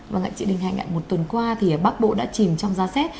vâng ạ chị đình hành ạ một tuần qua thì bắc bộ đã chìm trong gia xét